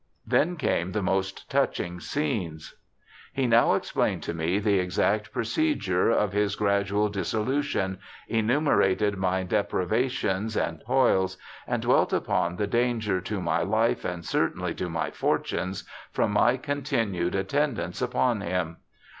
Then came the most touching scenes. He now explained to me the exact procedure of his gradual dissolution, enumerated my deprivations and toils, and dwelt upon the danger to my life, and cer tainly to my fortunes, from my continued attendance upon him.